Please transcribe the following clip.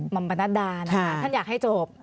แล้วท่านอยากให้จบ